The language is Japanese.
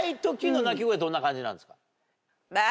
どんな感じなんですか？